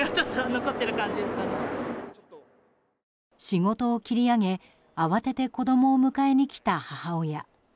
仕事を切り上げ慌てて子供を迎えに来た母親。